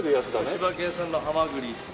千葉県産のハマグリです。